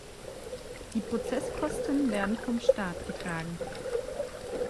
Die Prozesskosten werden vom Staat getragen.